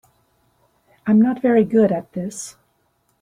I'm not very good at this.